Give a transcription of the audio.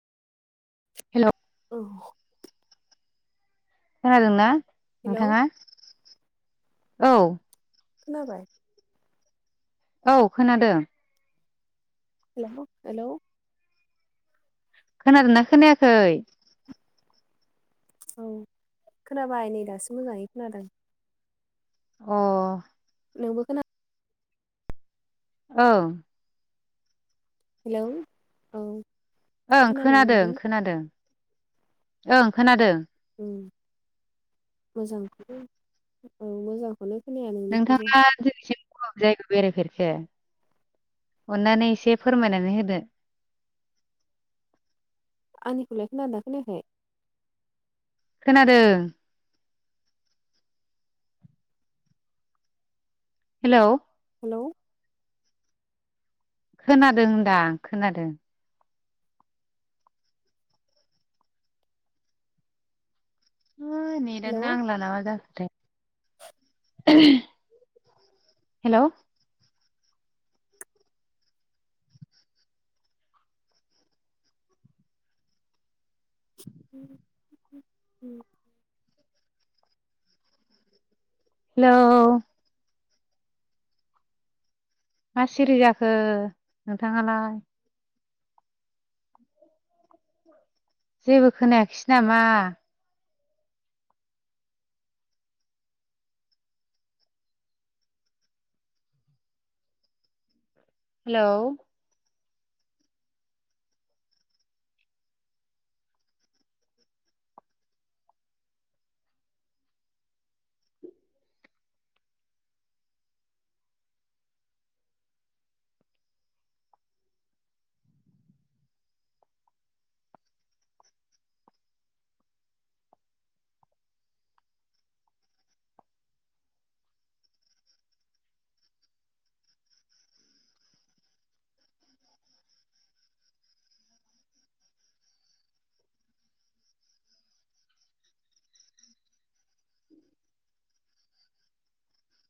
Hello औ खोनादोंना hello नोंथाङा औ खोनाबाय? औ खोनादों। हेलौ हेलौ खोनादोंना खोनायाखै? औ खोनाबाय नै दासो मोजाङै खोनादों। अ नोंबो खोना औ हेलौ औ ओं खोनाबाय खोनादों नोंबो खोनादों ओं खोनादों मोजांखौनो औ मोजांखौनो खोनाया नोंनिखौबो नोंथाङा जायगायाव बेरायफेरखो अननानै एसे फोरमायनानै होदो आंनिखौलाय खोनादोंना खोनायाखै खोनादों हेल' हेल' खोनादों होनदांं खोनादों। है नेदानो हेलौ नांला मा जाखोथाय। हेलौ उम हेलौ मा सिरि जाखो नोंथाङालाय जेबो खोनायाखिसै नामा? हेलौ